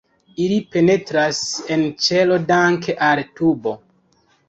Ili penetras en ĉelo danke al tubo.